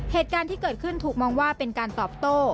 เหตุการณ์ที่เกิดขึ้นถูกมองว่าเป็นการตอบโต้